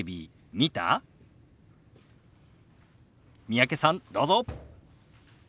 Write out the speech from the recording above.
三宅さんどうぞ。